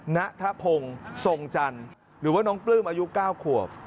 ณทะพงศ์ทรงจันทร์หรือว่าน้องปลื้มอายุ๙ขวบ